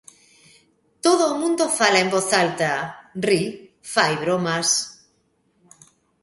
Todo o mundo fala en voz alta, ri, fai bromas.